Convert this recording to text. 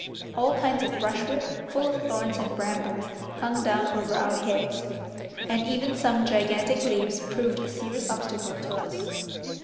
All kinds of brushwood, full of thorns and brambles, hung down over our heads, and even some gigantic leaves proved a serious obstacle to us.